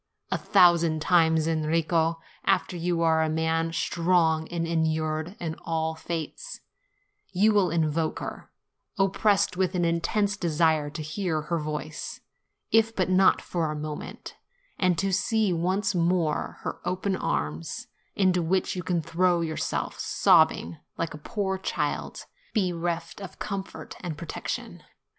A thousand times, Enrico, after you are a man, strong, and inured to all fates, you will invoke her, oppressed with an intense desire to hear her voice, if but for a mo ment, and to see once more her open arms, into which you can throw yourself sobbing, like a poor child bereft of comfort and protection.